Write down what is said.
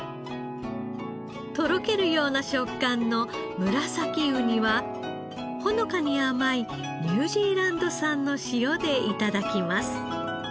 とろけるような食感のムラサキウニはほのかに甘いニュージーランド産の塩で頂きます。